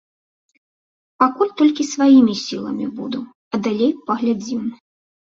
Пакуль толькі сваімі сіламі буду, а далей паглядзім.